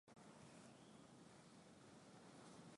akiamini kuwa mchezaji huyo ana wajibu wa kujifunza kutokana makosa